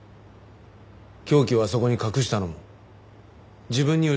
凶器をあそこに隠したのも自分に疑いを向けるため。